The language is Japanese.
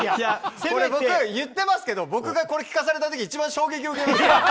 これ、僕、言ってますけど、僕がこれ聞かされたとき、一番衝撃を受けましたから。